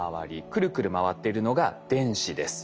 くるくる回っているのが電子です。